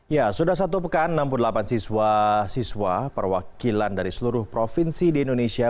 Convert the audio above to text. ya sudah satu pekan enam puluh delapan siswa siswa perwakilan dari seluruh provinsi di indonesia